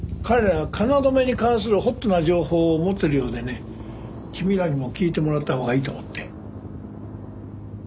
彼ら京に関するホットな情報を持ってるようでね君らにも聞いてもらったほうがいいと思って。